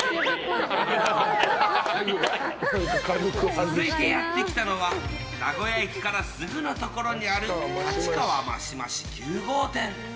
続いてやってきたのは名古屋駅からすぐのところにある立川マシマシ９号店。